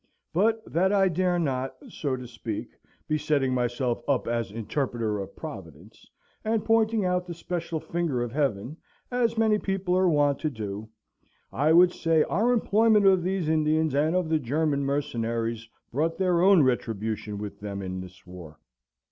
But that I dare not (so to speak) be setting myself up as interpreter of Providence, and pointing out the special finger of Heaven (as many people are wont to do), I would say our employment of these Indians, and of the German mercenaries, brought their own retribution with them in this war.